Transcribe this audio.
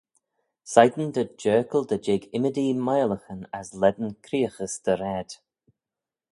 Shegin dhyt jerkal dy jig ymmodee miolaghyn as lane creoghys dty raad.